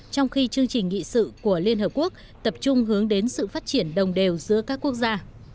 trong khi chương trình nghị sự của liên hợp quốc tập trung hướng đến sự phát triển đồng đều giữa các quốc gia